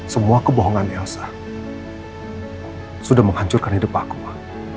semua kebohongan elsa sudah menghancurkan hidup aku ma